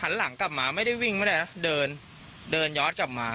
หันหลังกลับมาไม่ได้วิ่งไม่ได้นะเดินยอดกลับมา